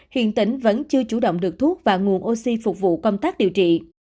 hiện tỉnh vẫn chưa chủ động được thuốc và nguồn oxy phục vụ công tác điều trị